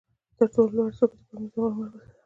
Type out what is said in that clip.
تر ټولو لوړه څوکه د پامیر د غرونو مربوط ده